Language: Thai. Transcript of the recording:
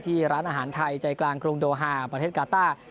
ร้านอาหารไทยใจกลางกรุงโดฮาประเทศกาต้า